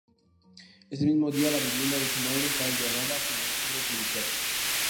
Ese mismo día la vivienda de su madre fue allanada sin orden judicial.